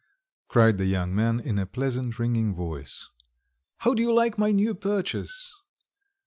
cried the young man in a pleasant, ringing voice. "How do you like my new purchase?"